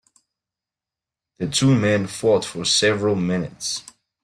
The two men fought for several minutes.